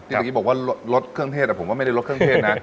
ที่สักทีบอกว่าลดเครื่องเทศแต่ผมก็ไม่ได้ลดเครื่องเทศนะ